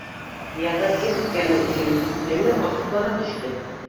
Зиада Димскаяның үлеме асыҡлана төштө